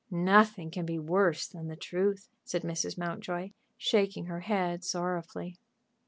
"Nothing can be worse than the truth," said Mrs. Mountjoy, shaking her head, sorrowfully.